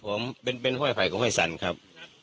ครับผมเป็นห้วยไผ่กับห้วยสันครับ